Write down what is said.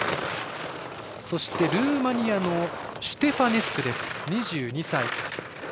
そしてルーマニアのシュテファネスク、２２歳。